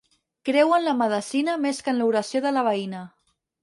Creu en la medecina més que en l'oració de la veïna.